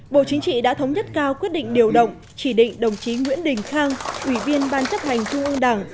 bộ chính trị đã thống nhất cao quyết định điều động chỉ định đồng chí nguyễn đình khang ủy viên ban chấp hành trung ương đảng